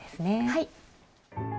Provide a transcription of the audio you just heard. はい。